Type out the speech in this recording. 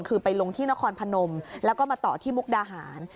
คือไปลงที่นครพนมแล้วก็มาต่อที่มุกดาหาร